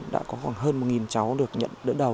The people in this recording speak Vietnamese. đã có khoảng hơn một cháu được nhận đỡ đầu